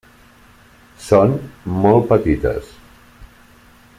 Són molt petites.